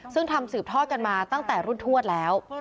ซึ่งทำสืบทอดกันมาตั้งแต่รุ่นทวดแล้ว